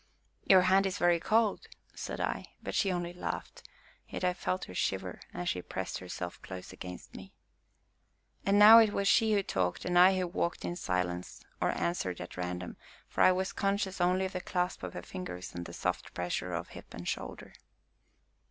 "Your hand is very cold!" said I. But she only laughed, yet I felt her shiver as she pressed herself close against me. And now it was she who talked and I who walked in silence, or answered at random, for I was conscious only of the clasp of her fingers and the soft pressure of hip and shoulder.